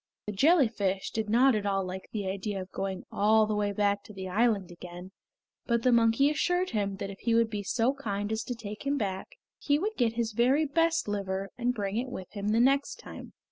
The jellyfish did not at all like the idea of going all the way back to the island again; but the monkey assured him that if he would be so kind as to take him back he would get his very best liver, and bring it with him the next time.